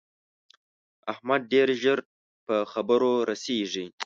احمد ډېر ژر په خبره رسېږي.